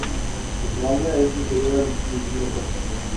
Su tamaño es inferior al milímetro.